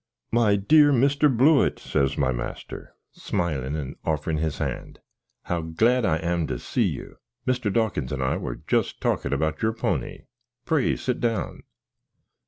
"My dear Mr. Blewitt," says my master, smilin, and offring his hand, "how glad I am to see you! Mr. Dawkins and I were just talking about your pony! Pray sit down."